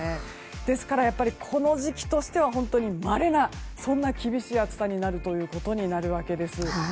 ですからこの時期としてはまれな、そんな厳しい暑さになるということです。